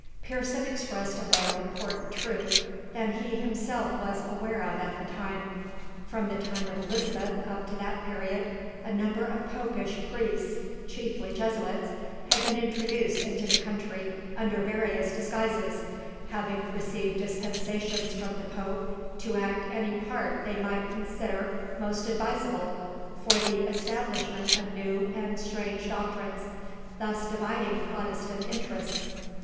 Pearson expressed a more important truth than he himself was aware of at the time. From the time of Elizabeth up to that period, a number of Popish priests, chiefly Jesuits, had been introduced into the country under various disguises, having received dispensations from the Pope to act any part they might consider most advisable for the establishment of new and strange doctrines; thus dividing Protestant interests.